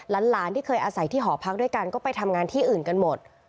หลานที่เคยอาศัยที่หอพักด้วยกันก็ไปทำงานที่อื่นกันหมด